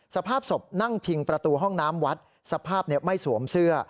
สภาพศพนั่งพิงประตูห้องน้ำวัดสภาพไม่สวมเสื้อ